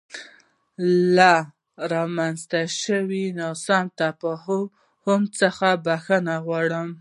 له رامنځته شوې ناسم تفاهم څخه بخښنه غواړم.